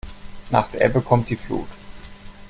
Nach der Ebbe kommt die Flut.